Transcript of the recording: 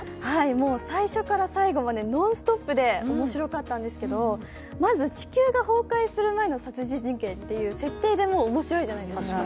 もう最初から最後までノンストップで面白かったんですけれども、まず、地球が崩壊する前の殺人事件っていう設定でもう面白いじゃないですか。